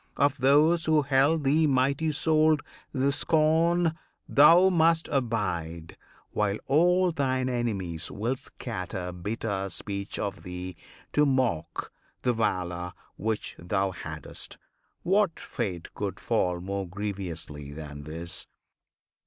Of those who held thee mighty souled the scorn Thou must abide, while all thine enemies Will scatter bitter speech of thee, to mock The valour which thou hadst; what fate could fall More grievously than this?